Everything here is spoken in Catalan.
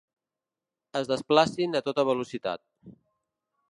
Es desplacin a tota velocitat.